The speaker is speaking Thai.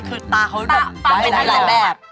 คือตาเขาแบบร้ายเป็นหลายแบบ